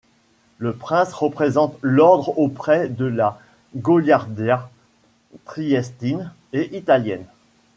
Le Prince représente l'ordre auprès de la Goliardia triestine et italienne.